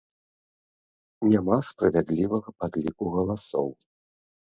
Няма справядлівага падліку галасоў.